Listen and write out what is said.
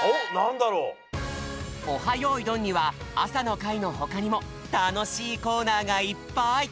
よいどん」には朝の会のほかにもたのしいコーナーがいっぱい！